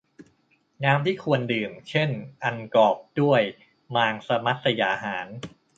น้ำที่ควรดื่ม เช่น อันกอปรด้วยมางษมัศยาหาร